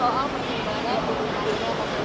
saya ingin tahu